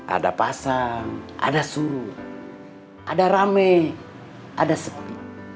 ada pasang ada suruh ada rame ada sepi